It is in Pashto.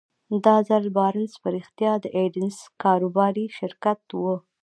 دا ځل بارنس په رښتيا د ايډېسن کاروباري شريک و.